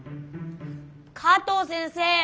加藤先生！